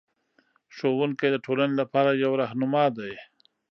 ښوونکی د ټولنې لپاره یو رهنما دی.